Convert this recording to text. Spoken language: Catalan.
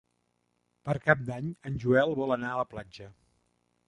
Per Cap d'Any en Joel vol anar a la platja.